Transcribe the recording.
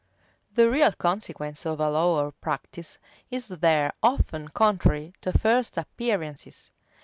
The real consequence of a law or practice is there often contrary to first appearances.